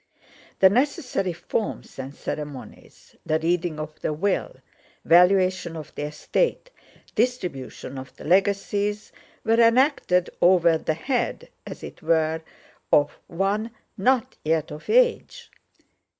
The necessary forms and ceremonies—the reading of the Will, valuation of the estate, distribution of the legacies—were enacted over the head, as it were, of one not yet of age.